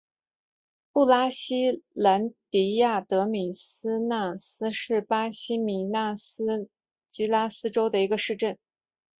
布拉西兰迪亚德米纳斯是巴西米纳斯吉拉斯州的一个市镇。